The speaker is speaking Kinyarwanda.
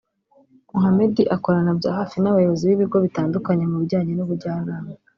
Mohamed akorana bya hafi n’abayobozi b’ibigo bitandukanye mu bijyanye n’ubujyanama